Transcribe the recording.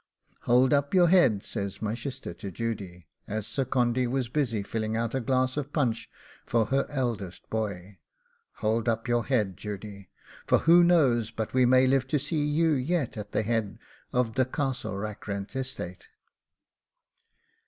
'Hold up your head,' says my shister to Judy, as Sir Condy was busy filling out a glass of punch for her eldest boy 'Hold up your head, Judy; for who knows but we may live to see you yet at the head of the Castle Rackrent estate?